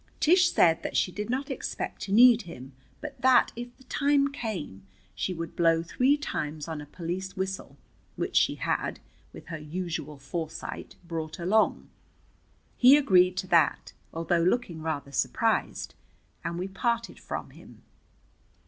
Tish said that she did not expect to need him, but that, if the time came, she would blow three times on a police whistle, which she had, with her usual foresight, brought along. He agreed to that, although looking rather surprised, and we parted from him.